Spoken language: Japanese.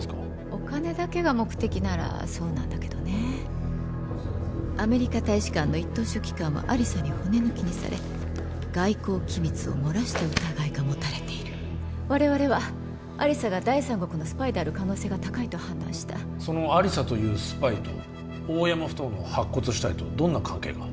お金だけが目的ならそうなんだけどねアメリカ大使館の一等書記官は亜理紗に骨抜きにされ外交機密をもらした疑いが持たれている我々は亜理紗が第三国のスパイである可能性が高いと判断したその亜理紗というスパイと大山ふ頭の白骨死体とどんな関係が？